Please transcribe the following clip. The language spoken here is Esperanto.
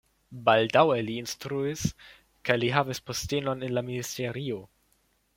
Baldaŭe li instruis kaj li havis postenon en la ministerio.